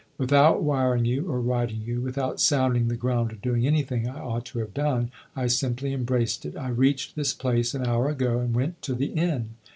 With out wiring you or writing you, without sounding the ground or doing anything I ought to have done, I simply embraced it. I reached this place an hour ago and went to the inn."